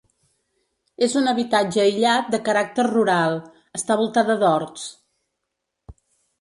És un habitatge aïllat de caràcter rural, està voltada d'horts.